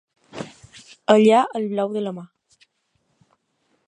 Allà al blau de la mar.